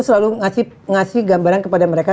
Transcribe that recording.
selalu ngasih gambaran kepada mereka